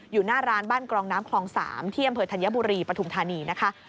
อยู่หน้าร้านบ้านกรองน้ำคลอง๓ที่อำเภอธัญบุรีปฐุมธานีนะคะ